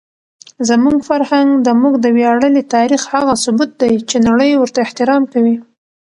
زموږ فرهنګ زموږ د ویاړلي تاریخ هغه ثبوت دی چې نړۍ ورته احترام کوي.